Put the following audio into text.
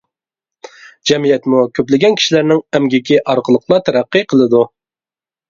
جەمئىيەتمۇ كۆپلىگەن كىشىلەرنىڭ ئەمگىكى ئارقىلىقلا تەرەققىي قىلىدۇ.